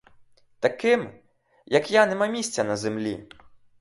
Таким, як я нема місця на землі.